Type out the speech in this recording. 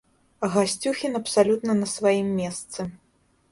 Гасцюхін абсалютна на сваім месцы.